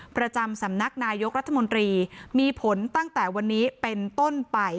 ประจำสำนักนายกรัฐมนตรีมีผลตั้งแต่วันนี้เป็นต้นไป